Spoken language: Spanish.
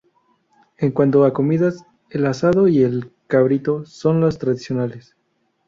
En cuanto a comidas el asado y el cabrito son las tradicionales.